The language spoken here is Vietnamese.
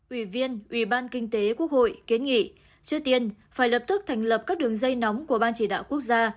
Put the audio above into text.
ủy viên ủy ban kinh tế quốc hội kiến nghị trước tiên phải lập tức thành lập các đường dây nóng của ban chỉ đạo quốc gia